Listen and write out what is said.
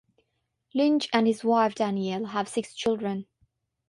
Lynch and his wife Danielle have six children.